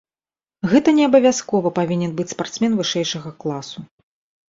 Гэта не абавязкова павінен быць спартсмен вышэйшага класу.